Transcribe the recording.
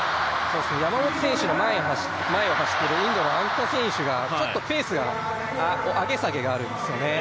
山本選手の前を走っているインドの選手がちょっとペースの上げ下げがあるんですよね。